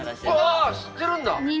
あ知ってるんだ。